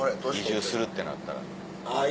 移住するってなったら。